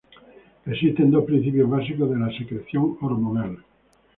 Existen dos principios básicos de la secreción hormonal.